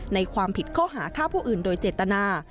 ในความผิดข้อหาฆ่าผู้อื่นโดยเจตนา